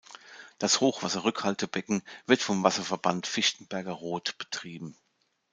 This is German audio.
Das Hochwasserrückhaltebecken wird vom "Wasserverband Fichtenberger Rot" betrieben.